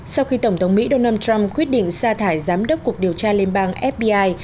sau khi tổng thống mỹ donald trump quyết định xa thải giám đốc cục điều tra liên bang fbi